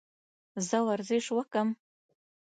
زه ورزش وکم؟